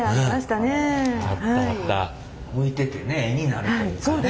置いててね絵になるというかね。